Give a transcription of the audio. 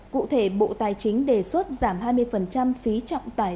cụ thể bộ tài chính đề xuất giảm hai mươi phí trọng tải